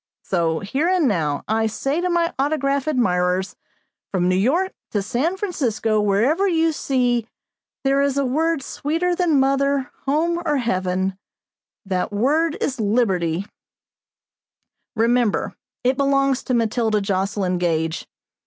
So, here and now, I say to my autograph admirers, from New York to San Francisco, whenever you see "There is a word sweeter than Mother, Home, or Heaven that word is Liberty," remember it belongs to Matilda Joslyn Gage.